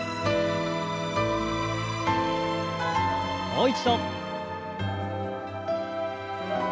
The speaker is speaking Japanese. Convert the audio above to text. もう一度。